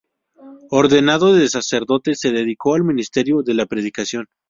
Ordenado de sacerdote, se dedicó al ministerio de la predicación.